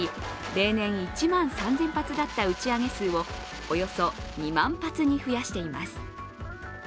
例年１万３０００発だった打ち上げ数をおよそ２万発に増やしています。